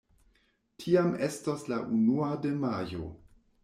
Tiam estos la unua de Majo.